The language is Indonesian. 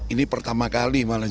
ini pertama kali malah